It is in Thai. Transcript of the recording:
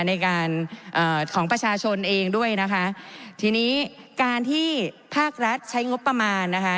ในการเอ่อของประชาชนเองด้วยนะคะทีนี้การที่ภาครัฐใช้งบประมาณนะคะ